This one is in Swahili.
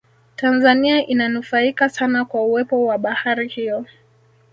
tanzania inanufaika sana kwa uwepo wa bahari hiyo